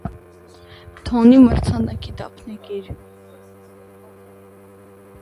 «Թոնի» մրցանակի դափնեկիր։